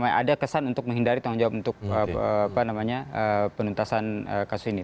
ada kesan untuk menghindari tanggung jawab untuk penuntasan kasus ini